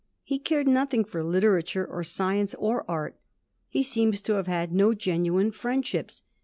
He cared nothing for literature, or science, or art. He seems to have had no genuine friendships.